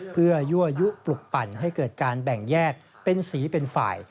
เพื่อยั่วยุปลุกปั่นให้เกิดการแบ่งแยกเป็นสีเป็นฝ่าย